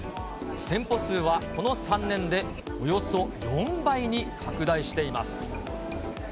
店舗数はこの３年でおよそ４倍に拡大しています。